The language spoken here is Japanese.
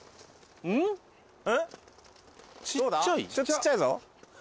・ちっちゃい？